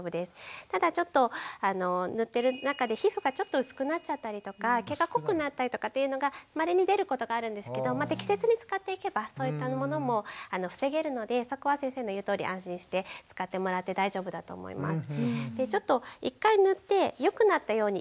ただちょっと塗ってる中で皮膚がちょっと薄くなっちゃったりとか毛が濃くなったりとかっていうのがまれに出ることがあるんですけど適切に使っていけばそういったものも防げるのでそこは先生の言うとおり安心して使ってもらって大丈夫だと思います。